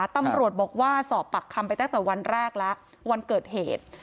ตำรวจบอกว่าสอบปากคำไปตั้งแต่วันแรกแล้ววันเกิดเหตุ